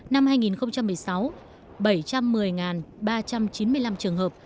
năm hai nghìn một mươi sáu bảy trăm một mươi ba trăm chín mươi năm trường hợp